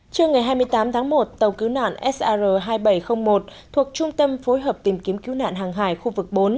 trưa ngày hai mươi tám tháng một tàu cứu nạn sr hai nghìn bảy trăm linh một thuộc trung tâm phối hợp tìm kiếm cứu nạn hàng hải khu vực bốn